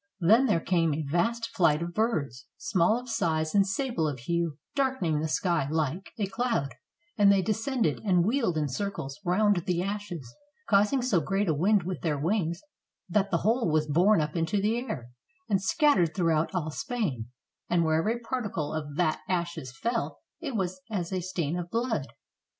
Then there came a vast flight of birds, small of size and sable of hue, darkening the sky like a cloud; and they descended, and wheeled in circles round the ashes, causing so great a wind with their wings that the whole was borne up into the air, and scattered throughout all Spain, and wherever a particle of that ashes fefl it was as a stain of blood.